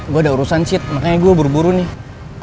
gue ada urusan sit makanya gue buru buru nih